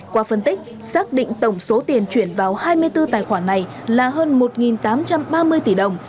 qua phân tích xác định tổng số tiền chuyển vào hai mươi bốn tài khoản này là hơn một tám trăm ba mươi tỷ đồng